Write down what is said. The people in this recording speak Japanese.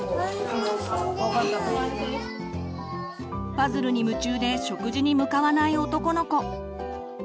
パズルに夢中で食事に向かわない男の子。